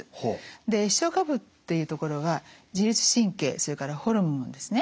で視床下部っていうところは自律神経それからホルモンですね